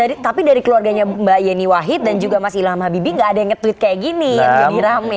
tapi dari keluarganya mbak yeni wahid dan juga mas ilham habibie gak ada yang nge tweet kayak gini yang jadi rame